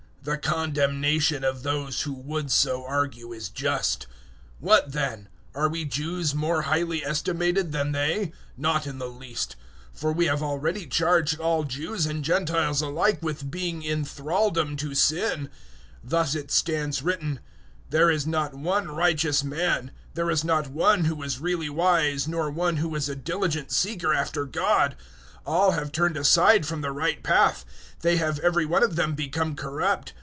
The condemnation of those who would so argue is just. 003:009 What then? Are we Jews more highly estimated than they? Not in the least; for we have already charged all Jews and Gentiles alike with being in thraldom to sin. 003:010 Thus it stands written, "There is not one righteous man. 003:011 There is not one who is really wise, nor one who is a diligent seeker after God. 003:012 All have turned aside from the right path; they have every one of them become corrupt.